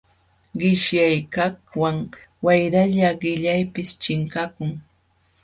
Qishyakaqwan wayralla qillaypis chinkakun.